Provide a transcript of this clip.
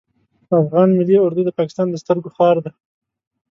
افغان ملی اردو د پاکستان د سترګو خار ده